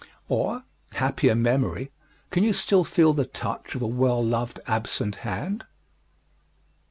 Or, happier memory, can you still feel the touch of a well loved absent hand?